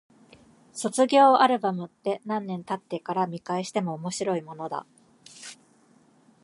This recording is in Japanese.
卒業アルバムって、何年経ってから見返しても面白いものだ。